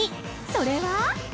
それは？